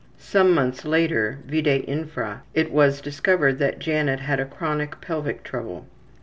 Some months later, vide infra, it was discovered that Janet had a chronic pelvic trouble.